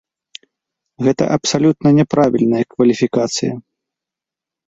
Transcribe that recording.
Гэта абсалютна няправільная кваліфікацыя.